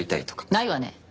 ないわね。